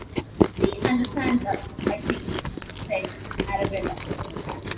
‘He understands us, I see,’ said Arabella.